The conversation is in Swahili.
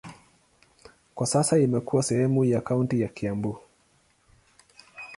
Kwa sasa imekuwa sehemu ya kaunti ya Kiambu.